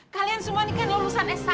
kalian semua ini kan lulusan s satu